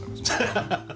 ハハハハ！